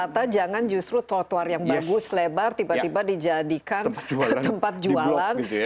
ternyata jangan justru trotoar yang bagus lebar tiba tiba dijadikan tempat jualan